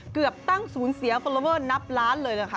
เกือบตั้งศูนย์เสียฟอลลอเวอร์นับล้านเลยล่ะค่ะ